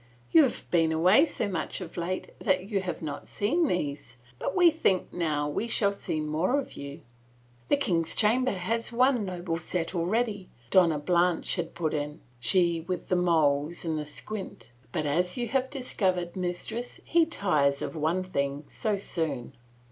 "You have been away so much of late that you have not seen these, but we think now we shall see more of you." " The king's chamber hath one noble set already," Donna Blanche had put in, she with the moles and the squint, "but as you have discovered, mistress, he tires of one thing so soon